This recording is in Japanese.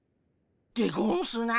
でゴンスな。